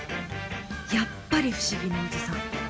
やっぱり不思議なおじさん。